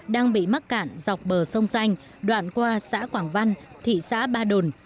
đang bị mắc cạn dọc bờ sông xanh đoạn qua xã quảng văn thị xã ba đồn